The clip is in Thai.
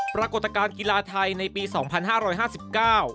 ปรากฏการณ์กีฬาไทยในปีสองพันห้าร้อยห้าสิบเก้า